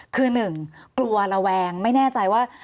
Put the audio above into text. คือหนึ่งกลัวระแวงไม่แน่ใจว่า